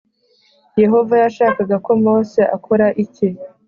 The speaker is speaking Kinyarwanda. Yehova yashakaga ko Mose akora iki